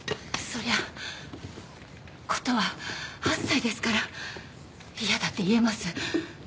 そりゃあ琴は８歳ですから嫌だって言えます。